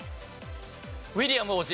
ウィリアム王子。